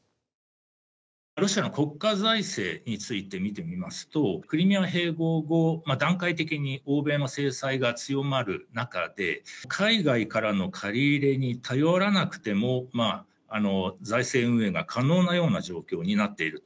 ロシアの国家財政について見てみますと、クリミア併合後、段階的に欧米の制裁が強まる中で、海外からの借り入れに頼らなくても財政運営が可能なような状況になっている。